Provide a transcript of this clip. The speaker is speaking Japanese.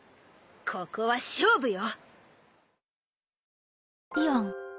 ここは勝負よ！